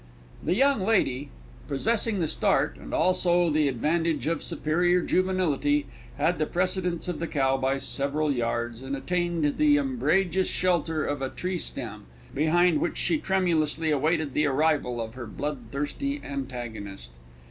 The young lady, possessing the start and also the advantage of superior juvenility, had the precedence of the cow by several yards, and attained the umbrageous shelter of a tree stem, behind which she tremulously awaited the arrival of her blood thirsty antagonist.